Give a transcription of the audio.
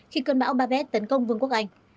khi cơn bão babette tấn công vương quốc anh